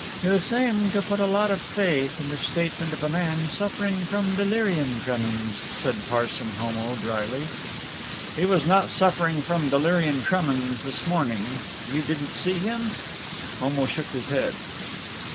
"You seem to put a lot of faith in the statement of a man suffering from delirium tremens," said Parson Homo dryly. "He was not suffering from delirium tremens this morning. You didn't see him?" Homo shook his head.